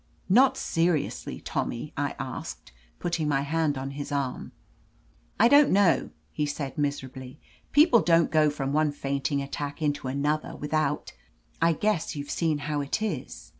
"Not seriously. Tommy?" I asked, putting my hand on his arm. "I don't know," he said miserably. "People don't go from one fainting attack into another without — I guess you've seen how it is.